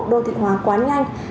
đô thị hòa quá nhanh